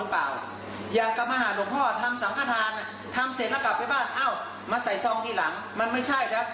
เอ้ามาใส่ซองทีหลังมันไม่ใช่นะ